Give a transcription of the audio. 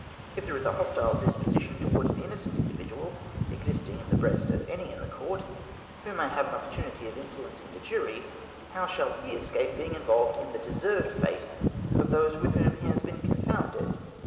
If there is a hostile disposition towards the innocent individual existing in the breast of any in court, who may have an opportunity of influencing the jury, how shall he escape being involved in the deserved fate of those with whom he has been confounded